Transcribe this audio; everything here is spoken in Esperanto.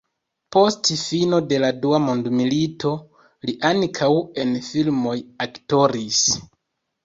Post fino de la dua mondmilito li ankaŭ en filmoj aktoris.